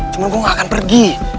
cuman gue gak akan pergi